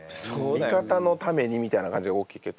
味方のためにみたいな感じが大きい結構。